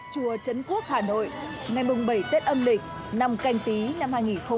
chùa trấn quốc hà nội ngày bảy tết âm lịch năm canh tí năm hai nghìn hai mươi